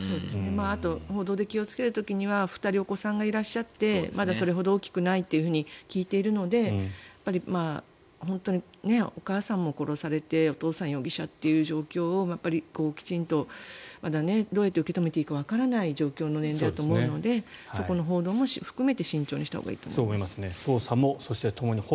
あと報道で気をつける時には２人、お子さんがいらっしゃってまだそれほど大きくないと聞いているのでお母さんも殺されてお父さんが容疑者という状況をきちんとまだどうやって受け止めていいかわからない状況の年齢だと思うのでそこの報道も含めて慎重にしたほうがいいと思います。